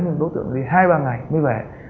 nhưng đối tượng đi hai ba ngày mới về